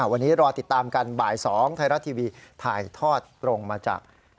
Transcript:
วันนี้รอติดตามกันบ่าย๒ไทยรัฐทีวีถ่ายทอดลงมาจาก